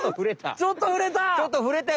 ちょっとふれたよ